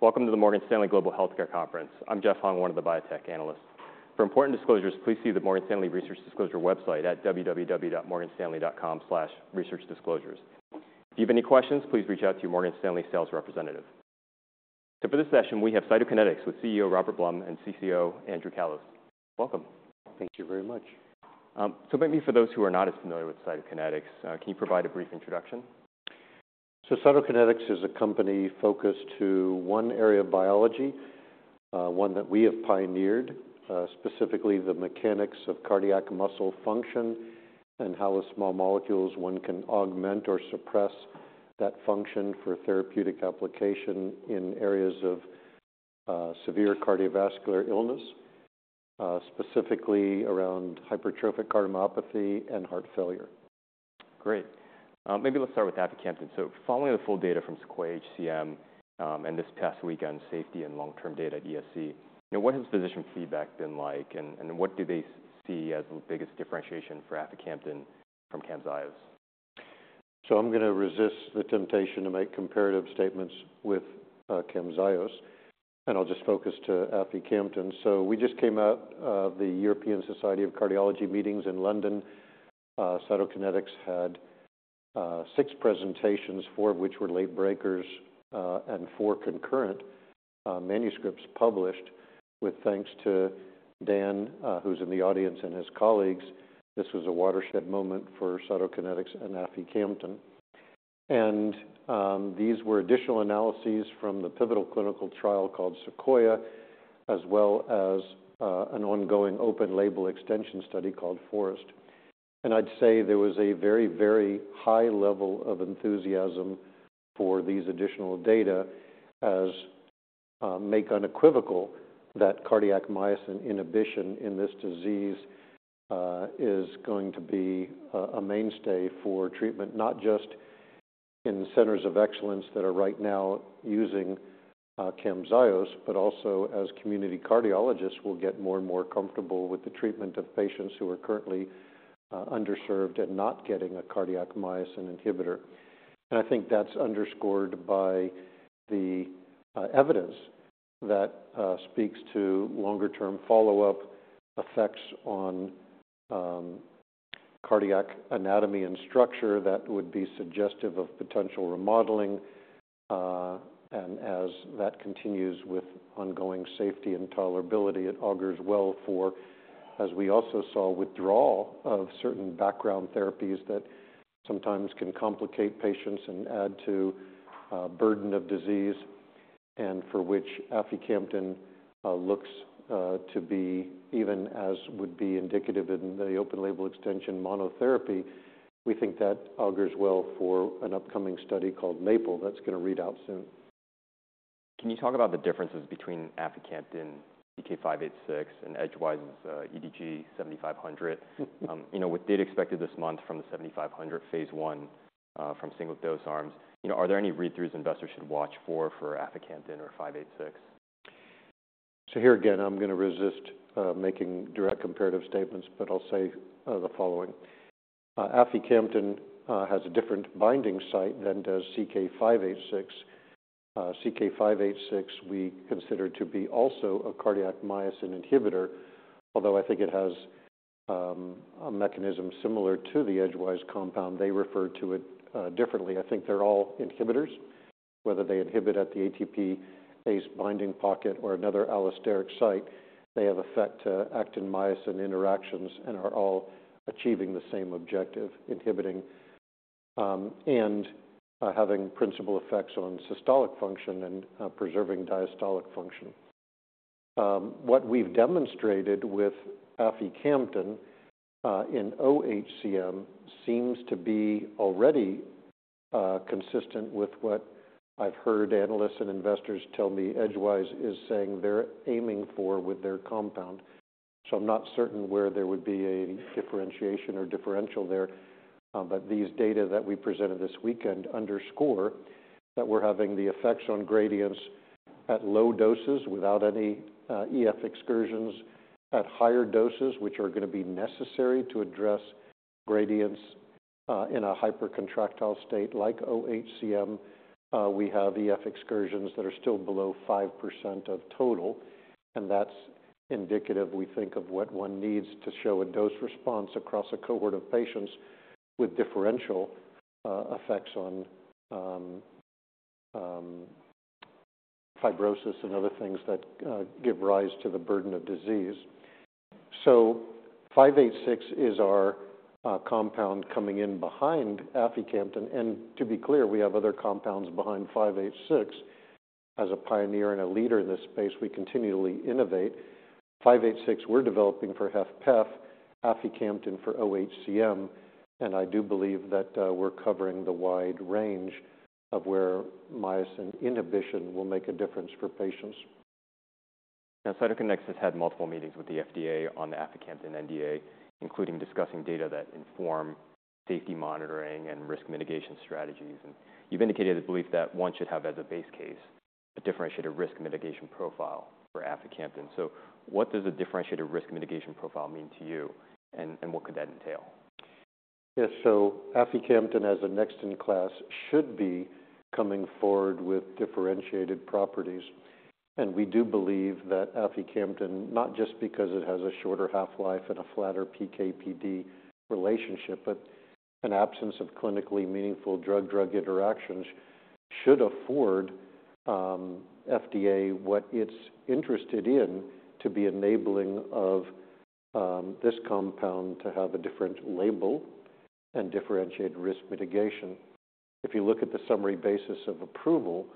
Welcome to the Morgan Stanley Global Healthcare Conference. I'm Jeff Hung, one of the biotech analysts. For important disclosures, please see the Morgan Stanley Research Disclosure website at www.morganstanley.com/researchdisclosures. If you have any questions, please reach out to your Morgan Stanley sales representative. So for this session, we have Cytokinetics with CEO, Robert Blum, and CCO, Andrew Callas. Welcome. Thank you very much. So maybe for those who are not as familiar with Cytokinetics, can you provide a brief introduction? Cytokinetics is a company focused to one area of biology, one that we have pioneered, specifically the mechanics of cardiac muscle function and how with small molecules, one can augment or suppress that function for therapeutic application in areas of severe cardiovascular illness, specifically around hypertrophic cardiomyopathy and heart failure. Great. Maybe let's start with aficamten. So following the full data from SEQUOIA-HCM, and this past week on safety and long-term data at ESC, you know, what has physician feedback been like, and what do they see as the biggest differentiation for aficamten from Camzyos? So I'm gonna resist the temptation to make comparative statements with Camzyos, and I'll just focus to aficamten. So we just came out of the European Society of Cardiology meetings in London. Cytokinetics had six presentations, four of which were late breakers, and four concurrent manuscripts published, with thanks to Dan, who's in the audience, and his colleagues. This was a watershed moment for Cytokinetics and aficamten. And these were additional analyses from the pivotal clinical trial called Sequoia, as well as an ongoing open label extension study called FOREST. And I'd say there was a very, very high level of enthusiasm for these additional data, as make unequivocal that cardiac myosin inhibition in this disease is going to be a mainstay for treatment, not just in centers of excellence that are right now using Camzyos, but also as community cardiologists will get more and more comfortable with the treatment of patients who are currently underserved and not getting a cardiac myosin inhibitor. And I think that's underscored by the evidence that speaks to longer-term follow-up effects on cardiac anatomy and structure that would be suggestive of potential remodeling. And as that continues with ongoing safety and tolerability, it augurs well for... As we also saw withdrawal of certain background therapies that sometimes can complicate patients and add to, burden of disease, and for which aficamten looks to be, even as would be indicative in the open label extension monotherapy, we think that augurs well for an upcoming study called Maple that's gonna read out soon. Can you talk about the differences between aficamten, CK-586, and Edgewise's EDG-7500? You know, with data expected this month from the 7500 phase I, from single dose arms, you know, are there any read-throughs investors should watch for for aficamten or five eight six? So here again, I'm gonna resist making direct comparative statements, but I'll say the following: aficamten has a different binding site than does CK-586. CK-586 we consider to be also a cardiac myosin inhibitor, although I think it has a mechanism similar to the Edgewise compound. They refer to it differently. I think they're all inhibitors, whether they inhibit at the ATP-based binding pocket or another allosteric site, they have effect to actin-myosin interactions and are all achieving the same objective: inhibiting and having principal effects on systolic function and preserving diastolic function. What we've demonstrated with aficamten in OHCM seems to be already consistent with what I've heard analysts and investors tell me Edgewise is saying they're aiming for with their compound. So I'm not certain where there would be a differentiation or differential there. But these data that we presented this weekend underscore that we're having the effects on gradients at low doses without any EF excursions. At higher doses, which are gonna be necessary to address gradients in a hypercontractile state like OHCM, we have EF excursions that are still below 5% of total, and that's indicative, we think, of what one needs to show a dose response across a cohort of patients with differential effects on fibrosis and other things that give rise to the burden of disease. So five eight six is our compound coming in behind aficamten. And to be clear, we have other compounds behind five eight six. As a pioneer and a leader in this space, we continually innovate. CK-586, we're developing for HFpEF, aficamten for OHCM, and I do believe that, we're covering the wide range of where myosin inhibition will make a difference for patients. Now, Cytokinetics has had multiple meetings with the FDA on the aficamten NDA, including discussing data that inform safety monitoring and risk mitigation strategies. And you've indicated a belief that one should have as a base case, a differentiated risk mitigation profile for aficamten. So what does a differentiated risk mitigation profile mean to you, and what could that entail? ... Yes, so aficamten as a next-in-class should be coming forward with differentiated properties, and we do believe that aficamten, not just because it has a shorter half-life and a flatter PK/PD relationship, but an absence of clinically meaningful drug-drug interactions, should afford, FDA what it's interested in to be enabling of, this compound to have a different label and differentiated risk mitigation. If you look at the summary basis of approval,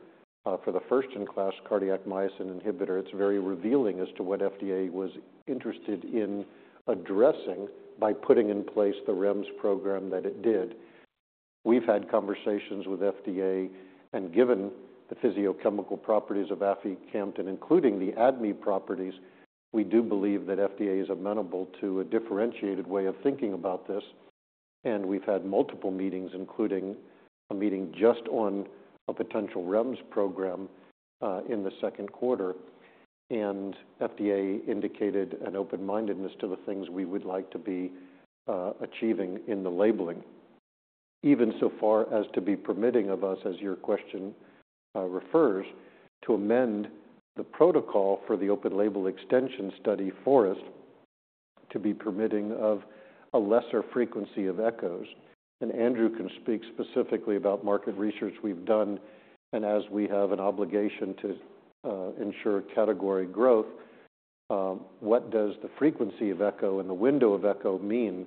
for the first-in-class cardiac myosin inhibitor, it's very revealing as to what FDA was interested in addressing by putting in place the REMS program that it did. We've had conversations with FDA, and given the physicochemical properties of aficamten, including the ADME properties, we do believe that FDA is amenable to a differentiated way of thinking about this. And we've had multiple meetings, including a meeting just on a potential REMS program in the second quarter. And FDA indicated an open-mindedness to the things we would like to be achieving in the labeling. Even so far as to be permitting of us, as your question refers, to amend the protocol for the open label extension study for us to be permitting of a lesser frequency of Echos. And Andrew can speak specifically about market research we've done, and as we have an obligation to ensure category growth, what does the frequency of Echo and the window of Echo mean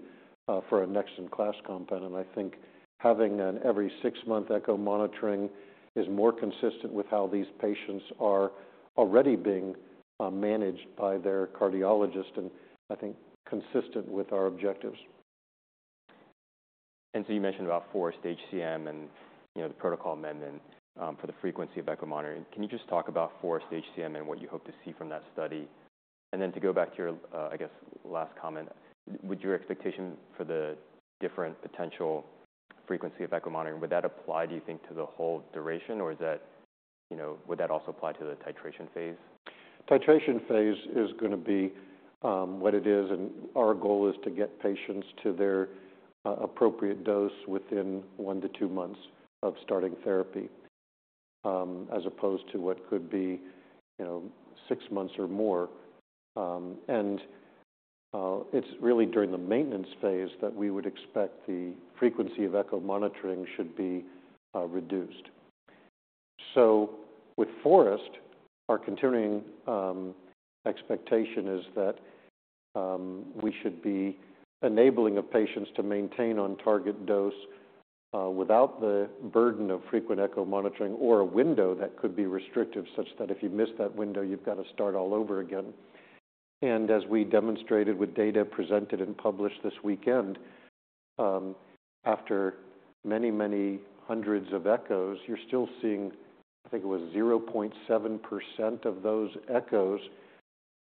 for a next-in-class compound? And I think having an every six-month Echo monitoring is more consistent with how these patients are already being managed by their cardiologist, and I think consistent with our objectives. And so you mentioned about FOREST-HCM and, you know, the protocol amendment, for the frequency of Echo monitoring. Can you just talk about FOREST-HCM and what you hope to see from that study? And then to go back to your, I guess last comment, would your expectation for the different potential frequency of Echo monitoring, would that apply, do you think, to the whole duration, or is that... You know, would that also apply to the titration phase? Titration phase is going to be what it is, and our goal is to get patients to their appropriate dose within one to two months of starting therapy, as opposed to what could be, you know, six months or more. It's really during the maintenance phase that we would expect the frequency of Echo monitoring should be reduced. With FOREST, our continuing expectation is that we should be enabling the patients to maintain on target dose without the burden of frequent Echo monitoring or a window that could be restrictive, such that if you miss that window, you've got to start all over again. As we demonstrated with data presented and published this weekend, after many, many hundreds of Echos, you're still seeing, I think it was 0.7% of those Echos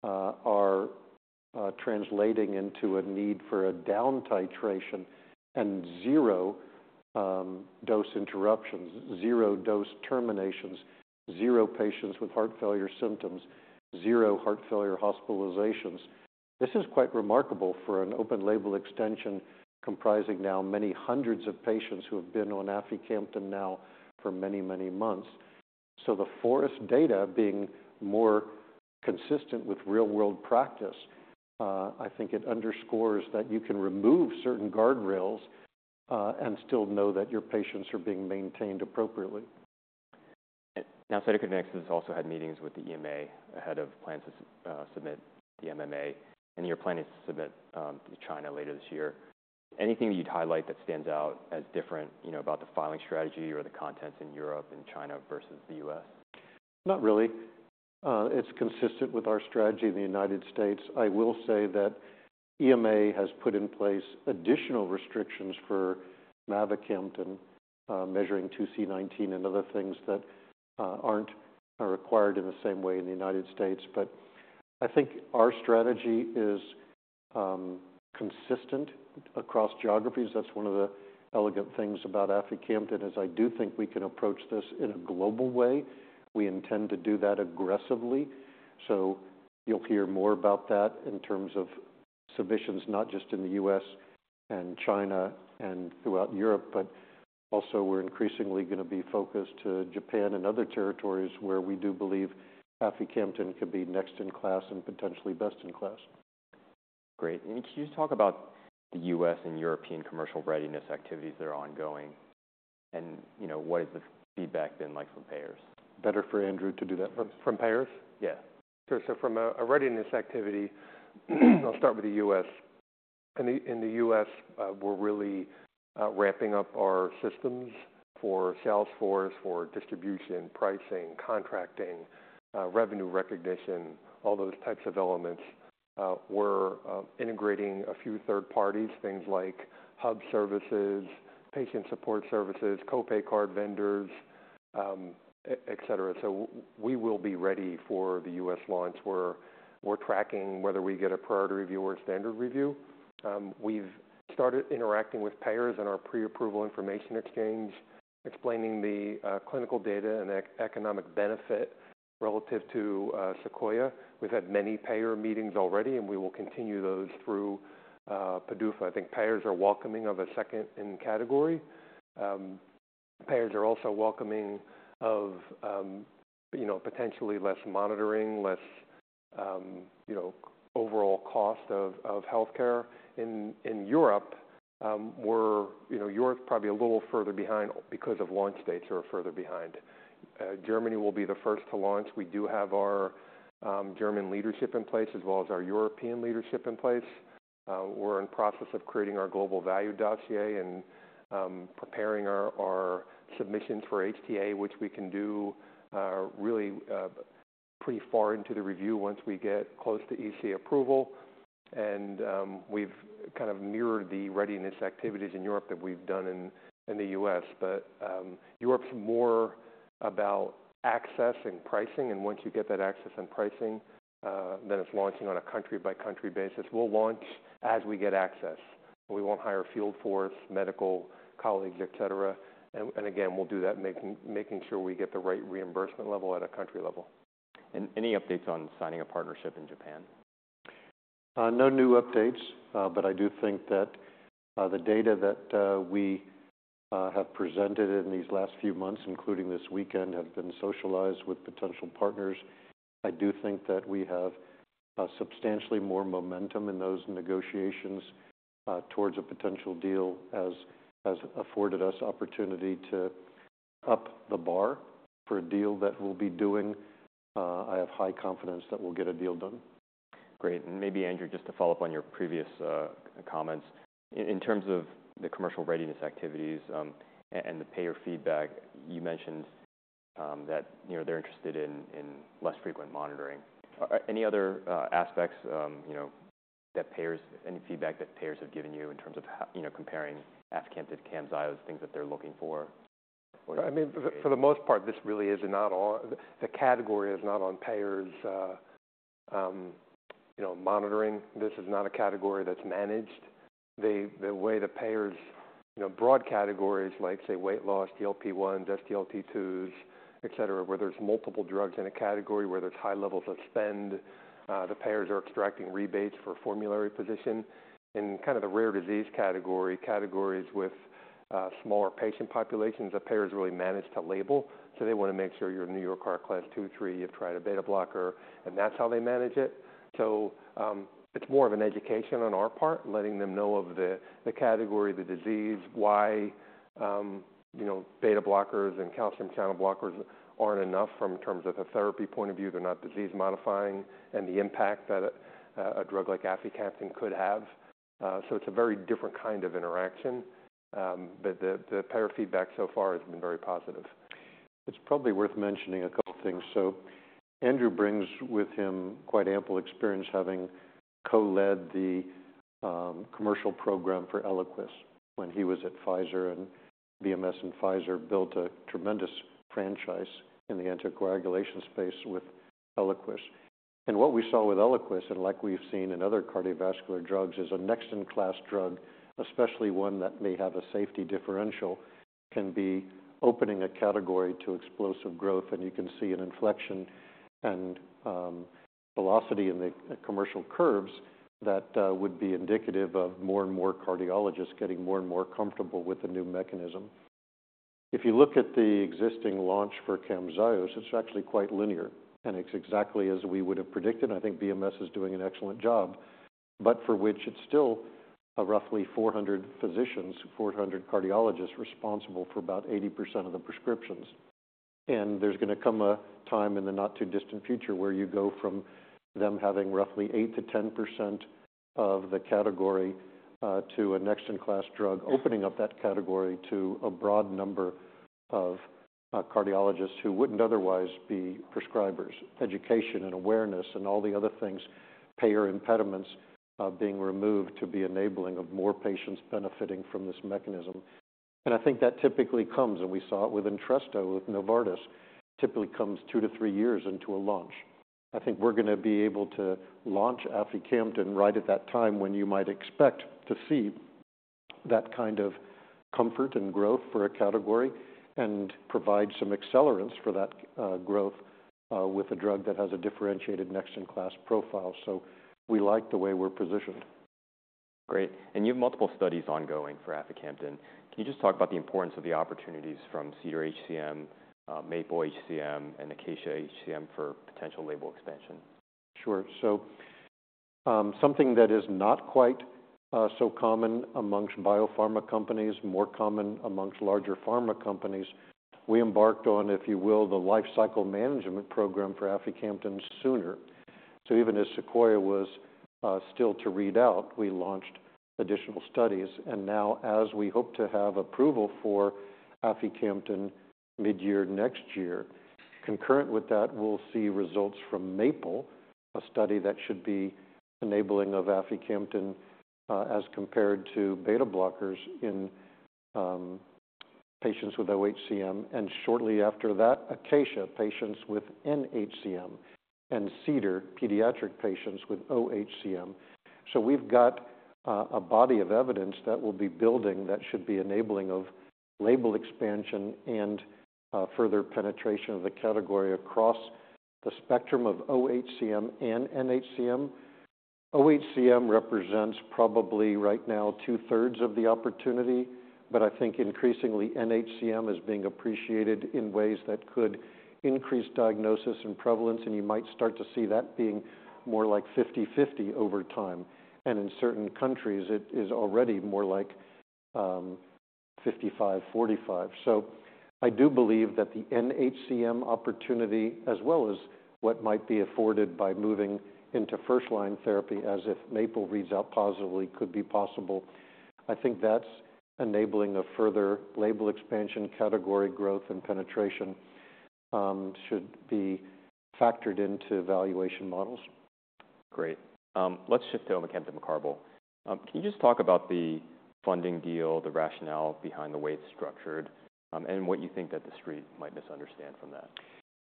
are translating into a need for a down titration and zero dose interruptions, zero dose terminations, zero patients with heart failure symptoms, zero heart failure hospitalizations. This is quite remarkable for an open-label extension, comprising now many hundreds of patients who have been on aficamten now for many, many months. The FOREST data being more consistent with real-world practice, I think it underscores that you can remove certain guardrails and still know that your patients are being maintained appropriately. Now, Cytokinetics has also had meetings with the EMA ahead of plans to submit the MAA, and you're planning to submit to China later this year. Anything that you'd highlight that stands out as different, you know, about the filing strategy or the contents in Europe and China versus the U.S.? Not really. It's consistent with our strategy in the United States. I will say that EMA has put in place additional restrictions for mavacamten, measuring 2C19 and other things that aren't required in the same way in the United States. But I think our strategy is consistent across geographies. That's one of the elegant things about aficamten, is I do think we can approach this in a global way. We intend to do that aggressively. So you'll hear more about that in terms of submissions, not just in the U.S. and China and throughout Europe, but also we're increasingly going to be focused to Japan and other territories where we do believe aficamten could be next in class and potentially best in class. Great. And can you talk about the U.S. and European commercial readiness activities that are ongoing, and, you know, what has the feedback been like from payers? Better for Andrew to do that. From payers? Yeah. Sure. So from a readiness activity, I'll start with the U.S. In the U.S., we're really ramping up our systems for Salesforce, for distribution, pricing, contracting, revenue recognition, all those types of elements. We're integrating a few third parties, things like hub services, patient support services, co-pay card vendors, et cetera. So we will be ready for the U.S. launch. We're tracking whether we get a priority review or a standard review. We've started interacting with payers in our pre-approval information exchange, explaining the clinical data and economic benefit relative to Sequoia. We've had many payer meetings already, and we will continue those through PDUFA. I think payers are welcoming of a second in category. Payers are also welcoming of, you know, potentially less monitoring, less, you know, overall cost of healthcare. In Europe, we're, you know, Europe's probably a little further behind because of launch dates are further behind. Germany will be the first to launch. We do have our German leadership in place, as well as our European leadership in place. We're in process of creating our global value dossier and preparing our submissions for HTA, which we can do really pretty far into the review once we get close to EMA approval. And we've kind of mirrored the readiness activities in Europe that we've done in the US. But Europe's more about access and pricing, and once you get that access and pricing, then it's launching on a country-by-country basis. We'll launch as we get access. We won't hire field force, medical, colleagues, et cetera. And again, we'll do that, making sure we get the right reimbursement level at a country level. Any updates on signing a partnership in Japan? No new updates, but I do think that the data that we have presented in these last few months, including this weekend, have been socialized with potential partners. I do think that we have substantially more momentum in those negotiations towards a potential deal, has afforded us opportunity to up the bar for a deal that we'll be doing. I have high confidence that we'll get a deal done. Great. And maybe, Andrew, just to follow up on your previous comments. In terms of the commercial readiness activities, and the payer feedback, you mentioned, that, you know, they're interested in less frequent monitoring. Any other aspects, you know, any feedback that payers have given you in terms of how, you know, comparing aficamten to Camzyos, things that they're looking for? I mean, for the most part, the category is not on payers' monitoring. This is not a category that's managed the way the payers manage broad categories like, say, weight loss, GLP-1s, SGLT2s, et cetera, where there's multiple drugs in a category, where there's high levels of spend, the payers are extracting rebates for formulary position. In kind of the rare disease category, categories with smaller patient populations, the payers really manage to label, so they want to make sure you're New York Heart Association Class II, III, you've tried a beta blocker, and that's how they manage it. It's more of an education on our part, letting them know of the category, the disease, why you know, beta blockers and calcium channel blockers aren't enough in terms of a therapy point of view. They're not disease-modifying, and the impact that a drug like aficamten could have. So it's a very different kind of interaction, but the payer feedback so far has been very positive. It's probably worth mentioning a couple things, so Andrew brings with him quite ample experience, having co-led the commercial program for Eliquis when he was at Pfizer, and BMS and Pfizer built a tremendous franchise in the anticoagulation space with Eliquis, and what we saw with Eliquis, and like we've seen in other cardiovascular drugs, is a next-in-class drug, especially one that may have a safety differential, can be opening a category to explosive growth, and you can see an inflection and velocity in the commercial curves that would be indicative of more and more cardiologists getting more and more comfortable with the new mechanism. If you look at the existing launch for Camzyos, it's actually quite linear, and it's exactly as we would have predicted. I think BMS is doing an excellent job, but for which it's still a roughly 400 physicians, 400 cardiologists responsible for about 80% of the prescriptions. And there's going to come a time in the not-too-distant future where you go from them having roughly 8% to 10% of the category to a next-in-class drug, opening up that category to a broad number of cardiologists who wouldn't otherwise be prescribers. Education and awareness and all the other things, payer impediments being removed to be enabling of more patients benefiting from this mechanism. And I think that typically comes, and we saw it with Entresto, with Novartis, typically comes 2to 3 years into a launch. I think we're going to be able to launch aficamten right at that time when you might expect to see that kind of comfort and growth for a category and provide some acceleration for that growth with a drug that has a differentiated next-in-class profile. So we like the way we're positioned. Great, and you have multiple studies ongoing for aficamten. Can you just talk about the importance of the opportunities from CEDAR-HCM, MAPLE-HCM, and ACACIA-HCM for potential label expansion? Sure. So, something that is not quite so common amongst biopharma companies, more common amongst larger pharma companies, we embarked on, if you will, the lifecycle management program for aficamten sooner. So even as Sequoia was still to read out, we launched additional studies, and now as we hope to have approval for aficamten midyear next year, concurrent with that, we'll see results from MAPLE, a study that should be enabling of aficamten as compared to beta blockers in patients with OHCM, and shortly after that, ACACIA, patients with NHCM, and CEDAR, pediatric patients with OHCM. So we've got a body of evidence that we'll be building that should be enabling of label expansion and further penetration of the category across the spectrum of OHCM and NHCM... OHCM represents probably right now two-thirds of the opportunity, but I think increasingly NHCM is being appreciated in ways that could increase diagnosis and prevalence, and you might start to see that being more like 50/50 over time. And in certain countries, it is already more like 55-45. So I do believe that the NHCM opportunity, as well as what might be afforded by moving into first line therapy as if MAPLE reads out positively, could be possible. I think that's enabling a further label expansion, category growth, and penetration should be factored into valuation models. Great. Let's shift to omecamtiv mecarbil. Can you just talk about the funding deal, the rationale behind the way it's structured, and what you think that the street might misunderstand from that?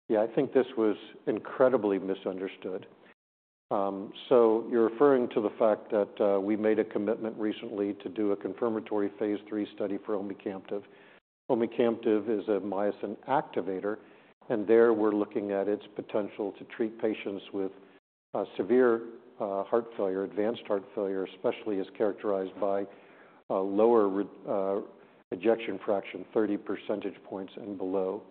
Yeah, I think this was incredibly misunderstood. So you're referring to the fact that we made a commitment recently to do a confirmatory phase III study for omecamtiv. Omecamtiv is a myosin activator, and there we're looking at its potential to treat patients with severe heart failure, advanced heart failure, especially as characterized by a lower ejection fraction, 30 percentage points and below,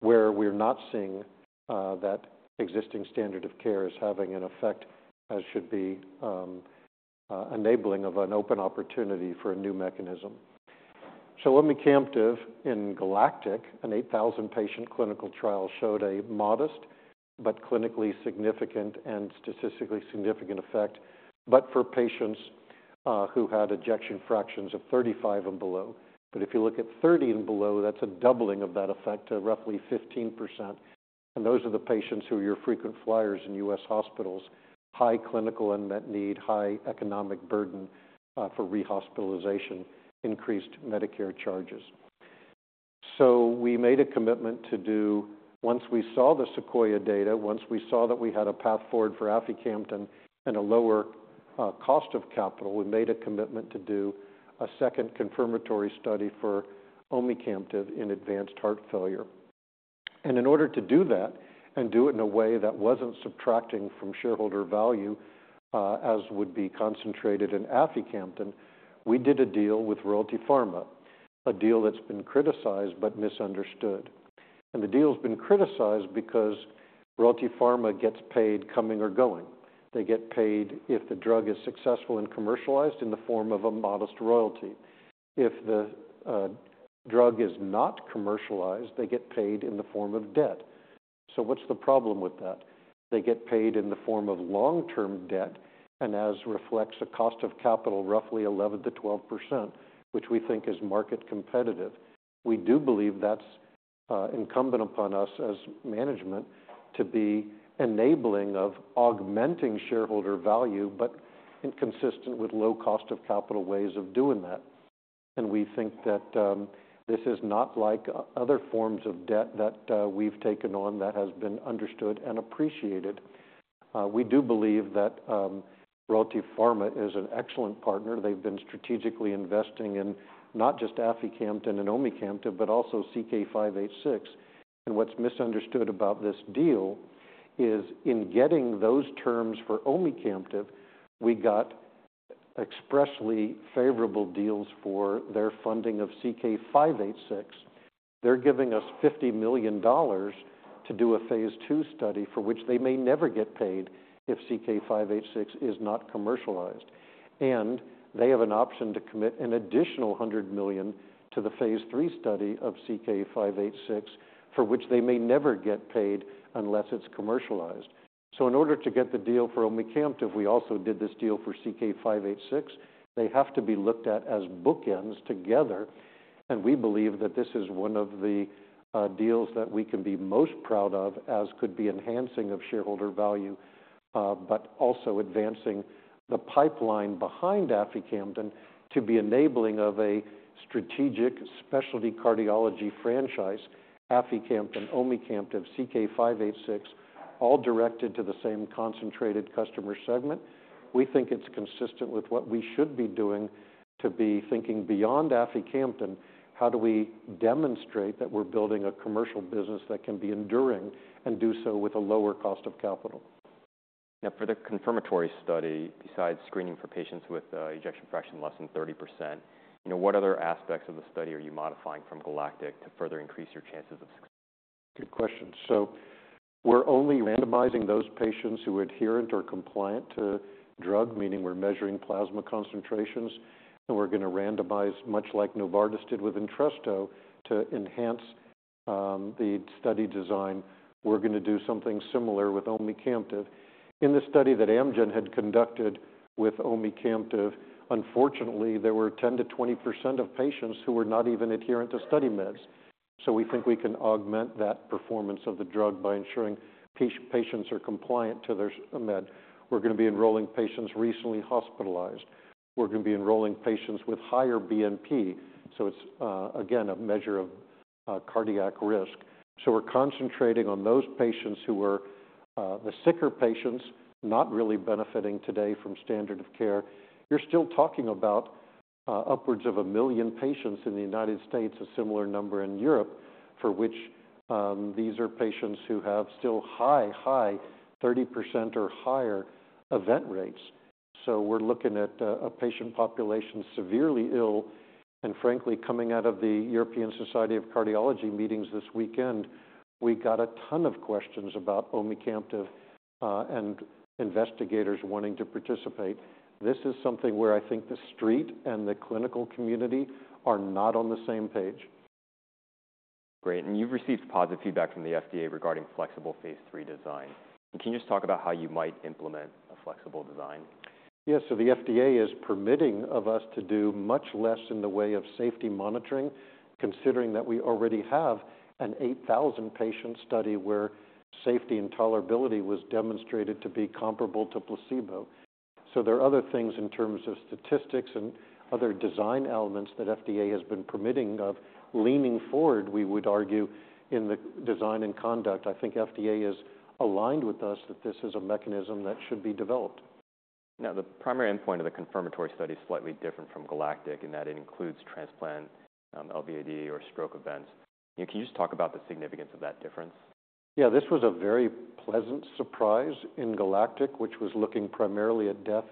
where we're not seeing that existing standard of care as having an effect as should be enabling of an open opportunity for a new mechanism. So omecamtiv in GALACTIC, an 8,000-patient clinical trial, showed a modest but clinically significant and statistically significant effect, but for patients who had ejection fractions of 35 and below. But if you look at 30 and below, that's a doubling of that effect to roughly 15%. And those are the patients who are your frequent flyers in U.S. hospitals, high clinical unmet need, high economic burden for rehospitalization, increased Medicare charges. So we made a commitment to do. Once we saw the Sequoia data, once we saw that we had a path forward for aficamten and a lower cost of capital, we made a commitment to do a second confirmatory study for omecamtiv in advanced heart failure. And in order to do that, and do it in a way that wasn't subtracting from shareholder value, as would be concentrated in aficamten, we did a deal with Royalty Pharma, a deal that's been criticized but misunderstood. And the deal's been criticized because Royalty Pharma gets paid, coming or going. They get paid if the drug is successful and commercialized in the form of a modest royalty. If the drug is not commercialized, they get paid in the form of debt. So what's the problem with that? They get paid in the form of long-term debt, and as reflects a cost of capital, roughly 11% to 12%, which we think is market competitive. We do believe that's incumbent upon us as management to be enabling of augmenting shareholder value, but inconsistent with low cost of capital ways of doing that. And we think that this is not like other forms of debt that we've taken on, that has been understood and appreciated. We do believe that Royalty Pharma is an excellent partner. They've been strategically investing in not just aficamten and omecamtiv, but also CK-586. And what's misunderstood about this deal is in getting those terms for omecamtiv, we got expressly favorable deals for their funding of CK-586. They're giving us $50 million to do a phase II study, for which they may never get paid if CK-586 is not commercialized. And they have an option to commit an additional $100 million to the phase III study of CK-586, for which they may never get paid unless it's commercialized. So in order to get the deal for omecamtiv, we also did this deal for CK-586. They have to be looked at as bookends together, and we believe that this is one of the deals that we can be most proud of, as could be enhancing of shareholder value, but also advancing the pipeline behind aficamten to be enabling of a strategic specialty cardiology franchise, aficamten, omecamtiv, CK-586, all directed to the same concentrated customer segment. We think it's consistent with what we should be doing to be thinking beyond aficamten. How do we demonstrate that we're building a commercial business that can be enduring and do so with a lower cost of capital? Now, for the confirmatory study, besides screening for patients with ejection fraction less than 30%, you know, what other aspects of the study are you modifying from GALACTIC to further increase your chances of success? Good question. So we're only randomizing those patients who are adherent or compliant to drug, meaning we're measuring plasma concentrations, and we're gonna randomize, much like Novartis did with Entresto, to enhance the study design. We're gonna do something similar with omecamtiv. In the study that Amgen had conducted with omecamtiv, unfortunately, there were 10% to 20% of patients who were not even adherent to study meds. So we think we can augment that performance of the drug by ensuring patients are compliant to their med. We're gonna be enrolling patients recently hospitalized. We're gonna be enrolling patients with higher BNP, so it's again a measure of cardiac risk. So we're concentrating on those patients who were the sicker patients, not really benefiting today from standard of care. You're still talking about-... Upwards of a million patients in the United States, a similar number in Europe, for which, these are patients who have still high, 30% or higher event rates. So we're looking at a patient population severely ill, and frankly, coming out of the European Society of Cardiology meetings this weekend, we got a ton of questions about omecamtiv, and investigators wanting to participate. This is something where I think the street and the clinical community are not on the same page. Great, and you've received positive feedback from the FDA regarding flexible phase III design. Can you just talk about how you might implement a flexible design? Yes. So the FDA is permitting of us to do much less in the way of safety monitoring, considering that we already have an eight thousand patient study, where safety and tolerability was demonstrated to be comparable to placebo. So there are other things in terms of statistics and other design elements that FDA has been permitting of leaning forward, we would argue, in the design and conduct. I think FDA is aligned with us that this is a mechanism that should be developed. Now, the primary endpoint of the confirmatory study is slightly different from GALACTIC, in that it includes transplant, LVAD or stroke events. Can you just talk about the significance of that difference? Yeah, this was a very pleasant surprise in GALACTIC, which was looking primarily at death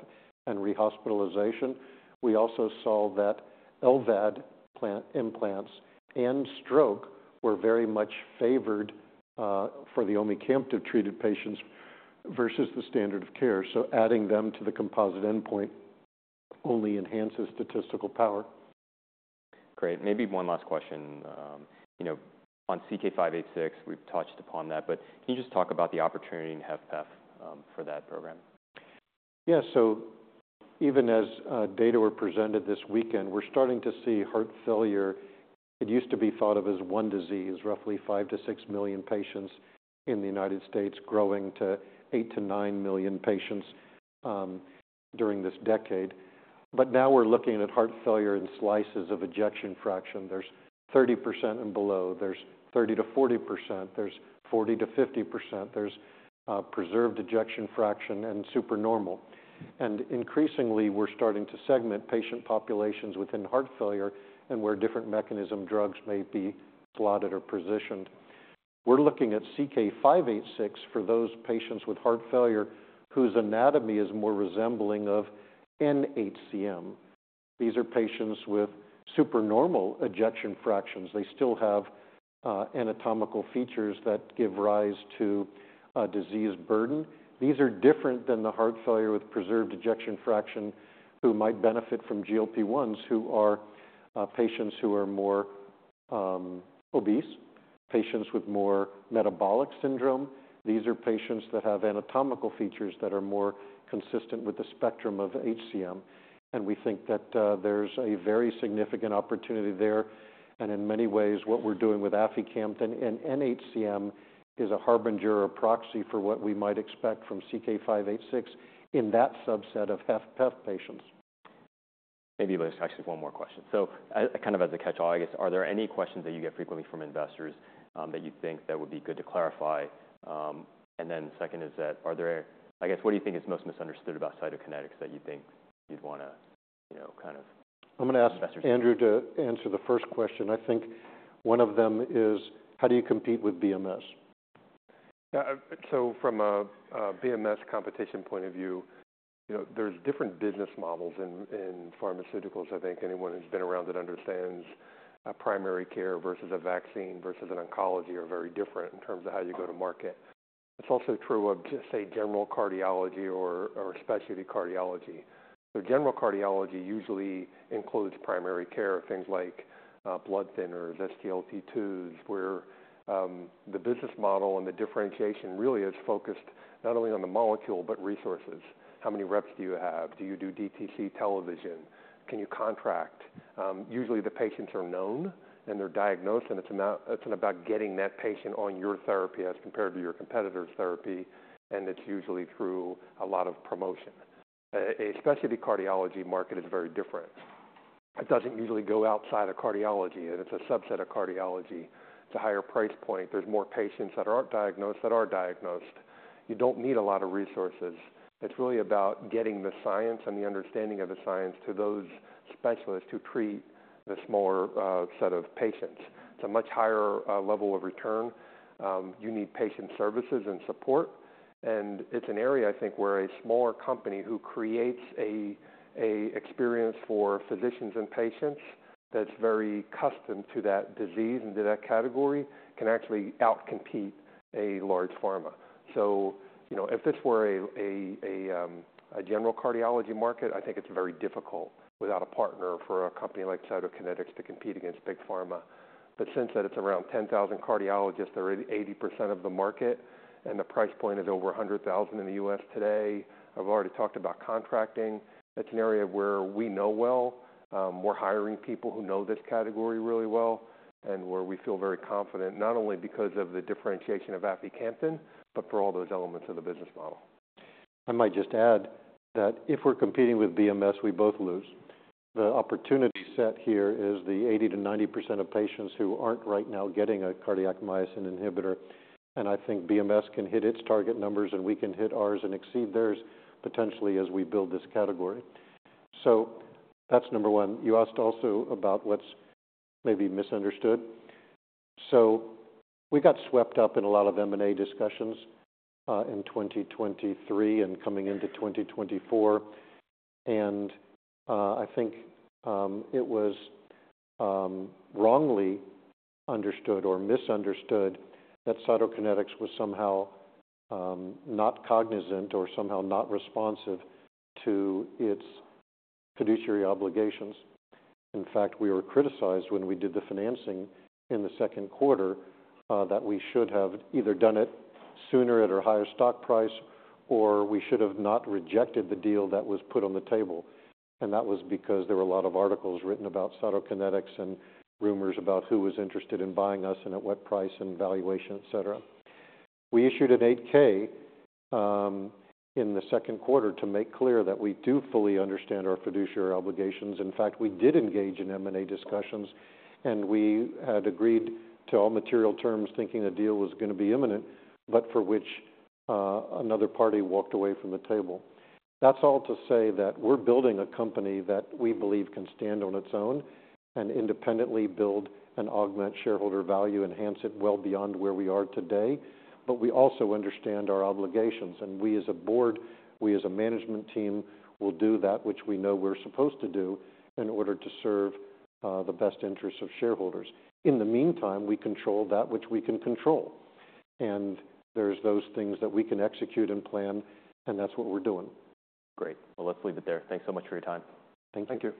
and rehospitalization. We also saw that LVAD implants and stroke were very much favored for the omecamtiv-treated patients versus the standard of care. So adding them to the composite endpoint only enhances statistical power. Great. Maybe one last question. You know, on CK-586, we've touched upon that, but can you just talk about the opportunity in HFpEF, for that program? Yeah, so even as data were presented this weekend, we're starting to see heart failure. It used to be thought of as one disease, roughly five to six million patients in the United States, growing to eight to nine million patients during this decade. But now we're looking at heart failure in slices of ejection fraction. There's 30% and below, there's 30to 40%, there's 40 to 50%, there's preserved ejection fraction and super normal. And increasingly, we're starting to segment patient populations within heart failure and where different mechanism drugs may be slotted or positioned. We're looking at CK-586 for those patients with heart failure, whose anatomy is more resembling of NHCM. These are patients with super normal ejection fractions. They still have anatomical features that give rise to a disease burden. These are different than the heart failure with preserved ejection fraction, who might benefit from GLP-1s, who are patients who are more obese, patients with more metabolic syndrome. These are patients that have anatomical features that are more consistent with the spectrum of HCM, and we think that there's a very significant opportunity there. In many ways, what we're doing with aficamten in NHCM is a harbinger or proxy for what we might expect from CK-586 in that subset of HFpEF patients. Maybe just actually one more question. So, kind of as a catch-all, I guess, are there any questions that you get frequently from investors, that you think that would be good to clarify? And then the second is that are there... I guess, what do you think is most misunderstood about Cytokinetics that you think you'd wanna, you know, kind of- I'm gonna ask Andrew to answer the first question. I think one of them is: How do you compete with BMS? Yeah, so from a BMS competition point of view, you know, there's different business models in pharmaceuticals. I think anyone who's been around it understands a primary care versus a vaccine versus an oncology are very different in terms of how you go to market. It's also true of, just say, general cardiology or specialty cardiology. So general cardiology usually includes primary care, things like blood thinners, SGLT2, where the business model and the differentiation really is focused not only on the molecule, but resources. How many reps do you have? Do you do DTC television? Can you contract? Usually the patients are known, and they're diagnosed, and it's about getting that patient on your therapy as compared to your competitor's therapy, and it's usually through a lot of promotion. A specialty cardiology market is very different. It doesn't usually go outside of cardiology, and it's a subset of cardiology. It's a higher price point. There's more patients that aren't diagnosed, that are diagnosed. You don't need a lot of resources. It's really about getting the science and the understanding of the science to those specialists who treat the smaller set of patients. It's a much higher level of return. You need patient services and support, and it's an area, I think, where a smaller company who creates a experience for physicians and patients that's very custom to that disease and to that category, can actually outcompete a large pharma. So you know, if this were a general cardiology market, I think it's very difficult without a partner for a company like Cytokinetics to compete against big pharma. But since that, it's around 10,000 cardiologists. They're 80% of the market, and the price point is over $100,000 in the U.S. today. I've already talked about contracting. It's an area where we know well. We're hiring people who know this category really well, and where we feel very confident, not only because of the differentiation of aficamten, but for all those elements of the business model. I might just add that if we're competing with BMS, we both lose. The opportunity set here is the 80% to 90% of patients who aren't right now getting a cardiac myosin inhibitor, and I think BMS can hit its target numbers, and we can hit ours and exceed theirs, potentially, as we build this category. So that's number one. You asked also about what's maybe misunderstood. So we got swept up in a lot of M&A discussions, in 2023 and coming into 2024, and, I think, it was, wrongly understood or misunderstood that Cytokinetics was somehow, not cognizant or somehow not responsive to its fiduciary obligations. In fact, we were criticized when we did the financing in the second quarter that we should have either done it sooner at a higher stock price or we should have not rejected the deal that was put on the table, and that was because there were a lot of articles written about Cytokinetics and rumors about who was interested in buying us and at what price and valuation, et cetera. We issued an eight-K in the second quarter to make clear that we do fully understand our fiduciary obligations. In fact, we did engage in M&A discussions, and we had agreed to all material terms, thinking the deal was gonna be imminent, but for which another party walked away from the table. That's all to say that we're building a company that we believe can stand on its own and independently build and augment shareholder value, enhance it well beyond where we are today. But we also understand our obligations, and we as a board, we as a management team, will do that which we know we're supposed to do in order to serve the best interests of shareholders. In the meantime, we control that which we can control, and there's those things that we can execute and plan, and that's what we're doing. Great. Well, let's leave it there. Thanks so much for your time. Thank you. Thank you.